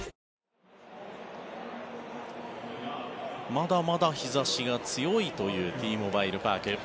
まだまだ日差しが強いというＴモバイル・パーク。